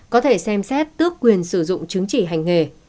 có thể xem xét tước quyền sử dụng chứng chỉ hành nghề